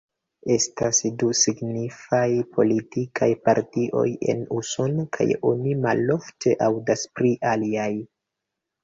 Estas du signifaj politikaj partioj en Usono kaj oni malofte aŭdas pri aliaj.